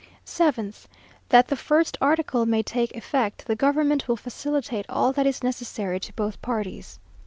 7th. "That the first article may take effect, the government will facilitate all that is necessary to both parties."